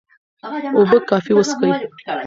اوبه کافي وڅښئ.